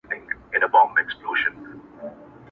مغول به وي، یرغل به وي او خوشحال خان به نه وي٫